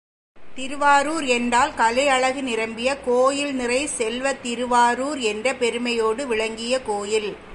திருவாரூர் என்றால் கலை அழகு நிரம்பிய கோயில் நிறை செல்வத்திருவாரூர் என்ற பெருமையோடு விளங்கிய கோயில்.